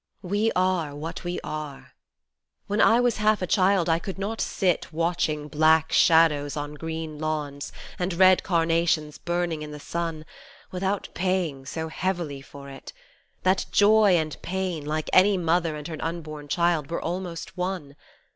We are what we are : when I was half a child I could not sit Watching black shadows on green lawns and red carnations burning in the sun, Without paying so heavily for it That joy and pain, like any mother and her unborn child were almost one.